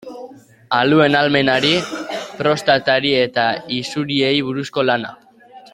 Aluen ahalmenari, prostatari eta isuriei buruzko lana.